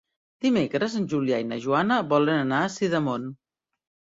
Dimecres en Julià i na Joana volen anar a Sidamon.